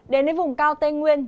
đến đến vùng cao tây nguyên